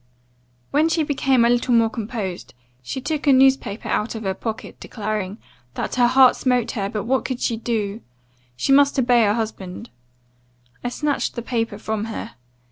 "When she became a little more composed, she took a newspaper out of her pocket, declaring, 'that her heart smote her, but what could she do? she must obey her husband.' I snatched the paper from her.